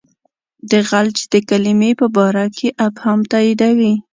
د خلج د کلمې په باره کې ابهام تاییدوي.